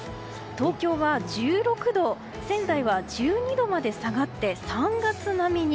東京は１６度仙台は１２度まで下がって３月並みに。